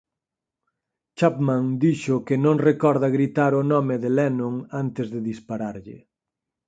Chapman dixo que non recorda gritar o nome de Lennon antes de dispararlle.